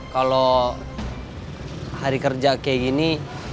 kalau hari kerja kayak gini